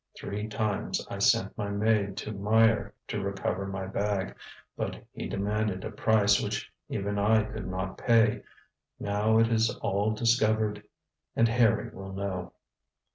ŌĆ£Three times I sent my maid to Meyer to recover my bag, but he demanded a price which even I could not pay. Now it is all discovered, and Harry will know.